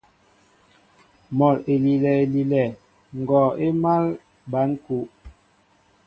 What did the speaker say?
Mɔ elilɛ elilɛ, ngɔɔ émal ɓăn kúw.